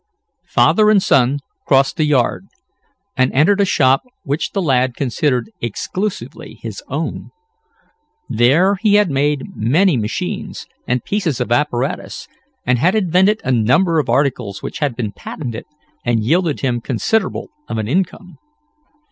Father and son crossed the yard, and entered a shop which the lad considered exclusively his own. There he had made many machines, and pieces of apparatus, and had invented a number of articles which had been patented, and yielded him considerable of an income.